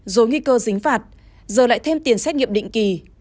dối nguy cơ dính phạt giờ lại thêm tiền xét nghiệm định kỳ